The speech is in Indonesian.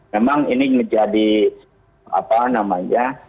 memang ini menjadi apa namanya